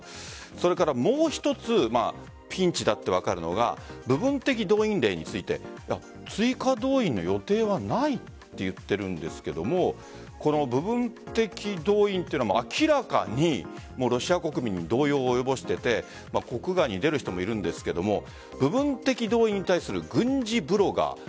それからもう一つピンチだと分かるのが部分的動員令について追加動員の予定はないと言っているんですがこの部分的動員というのは明らかにロシア国民の動揺を及ぼしていて国外に出る人もいるんですが部分的動員に対する軍事ブロガー。